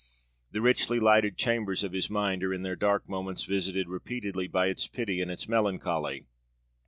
The richly lighted chambers of his mind are in their dark moments visited repeatedly by its pity and its melancholy.